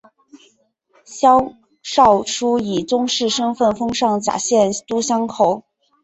萧韶初以宗室身份封上甲县都乡侯。